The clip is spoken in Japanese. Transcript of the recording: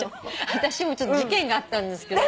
私もちょっと事件があったんですけど。